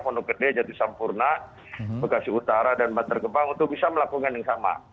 monogede jatisampurna bekasi utara dan menterkebang untuk bisa melakukan yang sama